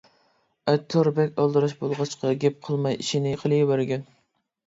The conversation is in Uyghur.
ئەتتار بەك ئالدىراش بولغاچقا گەپ قىلماي ئىشىنى قىلىۋەرگەن.